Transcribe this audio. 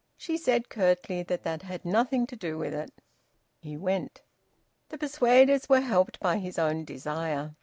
she said curtly that that had nothing to do with it. He went. The persuaders were helped by his own desire.